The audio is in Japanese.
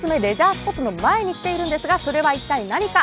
スポットの前に来ているんですが、それは一体何か。